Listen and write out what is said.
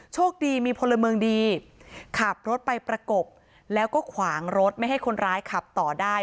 โชคดีมีพลเมืองดีขับรถไปประกบแล้วก็ขวางรถไม่ให้คนร้ายขับต่อได้